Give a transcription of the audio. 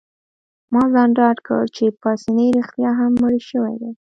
ما ځان ډاډه کړ چي پاسیني رښتیا هم مړی شوی دی.